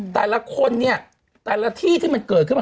แต่ละคนเนี่ยแต่ละที่ที่มันเกิดขึ้นมา